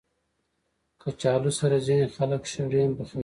کچالو سره ځینې خلک شړې هم پخوي